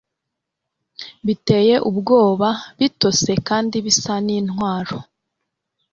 biteye ubwoba, bitose, kandi bisa n'intwaro,